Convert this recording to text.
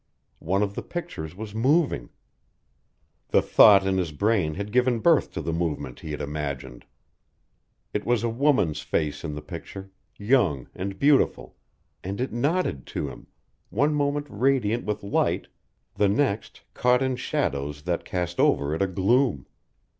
One of the pictures was moving. The thought in his brain had given birth to the movement he had imagined. It was a woman's face in the picture, young and beautiful, and it nodded to him, one moment radiant with light, the next caught in shadows that cast over it a gloom.